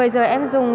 một mươi giờ em dùng